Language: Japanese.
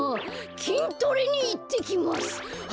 きんトレにいってきます！